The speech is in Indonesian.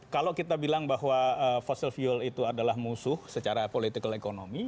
kalau kita bilang bahwa fossil fuel itu adalah musuh secara political economy